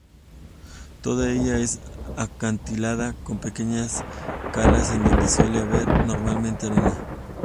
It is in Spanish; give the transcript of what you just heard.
Toda ella es acantilada con pequeñas calas en donde suele haber, normalmente, arena.